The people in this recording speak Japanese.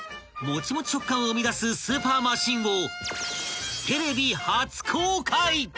［もちもち食感を生み出すスーパーマシンを］